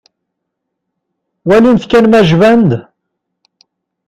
Walimt kan ma jban-d.